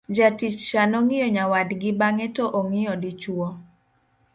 jatich cha nongiyo nyawadgi bang'e to ong'iyo dichuo